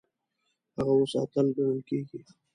هغه اوس اتل ګڼل کیږي.